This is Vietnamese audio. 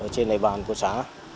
trên địa bàn của xã